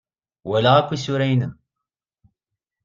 Walaɣ akk isura-nnem.